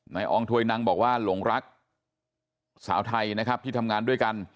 อองถวยนังบอกว่าหลงรักสาวไทยนะครับที่ทำงานด้วยกัน